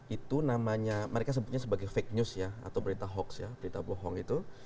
itu namanya mereka sebutnya sebagai fake news ya atau berita hoax ya berita bohong itu